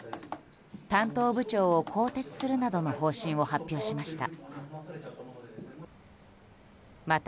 担当部長を更迭するなどの方針を発表しました。